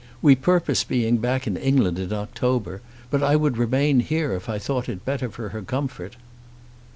We purpose being back in England in October; but I would remain here if I thought it better for her comfort."